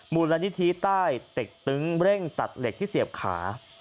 บุญระณิตรีใต้เตะตึงเร่งตัดเหล็กที่เสียบขา